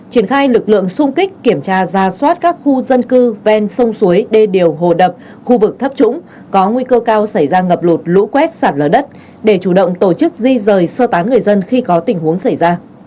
triển khai lực lượng xung kích kiểm tra ra soát các khu dân cư ven sông suối đê điều hồ đập khu vực thấp trũng có nguy cơ cao xảy ra ngập lụt lũ quét sạt lở đất để chủ động tổ chức di rời sơ tán người dân khi có tình huống xảy ra